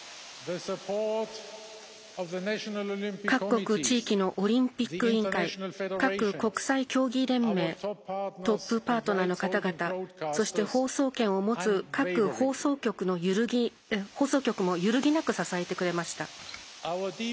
各国地域のオリンピック委員会各国際競技連盟トップパートナーの方々そして、放送権を持つ各放送局も揺ぎなく支えてくれました。